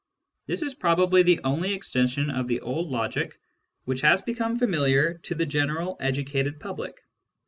This is probably the only extension of the old logic which has become familiar to the general educated public.